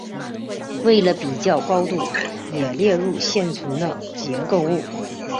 为了比较高度也列入现存的结构物。